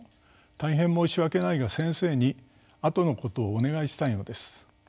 大変申し訳ないが先生にあとのことをお願いしたいのです」。